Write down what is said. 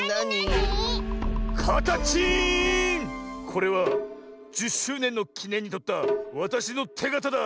これは１０しゅうねんのきねんにとったわたしのてがただ。